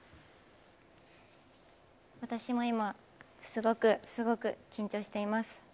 私も今、すごくすごく緊張しています。